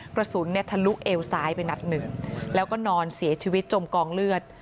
กระสุนเนี่ยทะลุเอวซ้ายไปนัดหนึ่งแล้วก็นอนเสียชีวิตจมกองเลือด